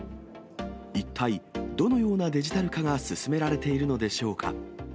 一体どのようなデジタル化が進められているのでしょうか。